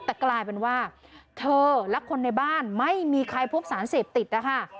แต่กลายเป็นว่าเธอและคนในบ้านไม่มีใครพบสารเสพติดนะคะ